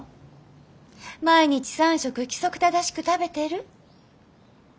毎日３食規則正しく食べてる？